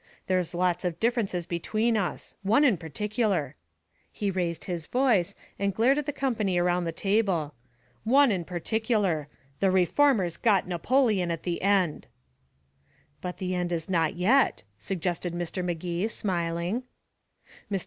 There's lots of differences between us one in particular." He raised his voice, and glared at the company around the table. "One in particular. The reformers got Napoleon at the end." "But the end is not yet," suggested Mr. Magee, smiling. Mr.